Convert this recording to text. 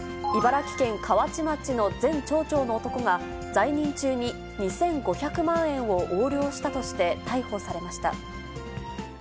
茨城県河内町の前町長の男が、在任中に２５００万円を横領したとして、逮捕されました。